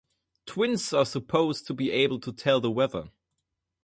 Twins are supposed to be able to tell the weather.